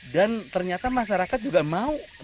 dan ternyata masyarakat juga mau